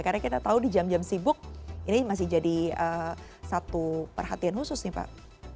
karena kita tahu di jam jam sibuk ini masih jadi satu perhatian khusus nih pak